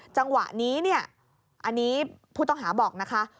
จังหวะนี้ผู้ต้องหาบอกนะคะ